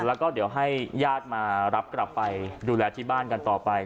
แล้วก็เดี๋ยวให้ญาติมารับกลับไปดูแลที่บ้านกันต่อไป